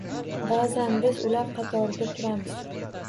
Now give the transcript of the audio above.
Ba'zan biz ular qatorida turamiz